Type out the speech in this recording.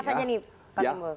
masa nya nih pak timbul